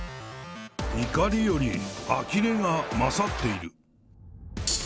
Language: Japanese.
怒りよりあきれが勝っている。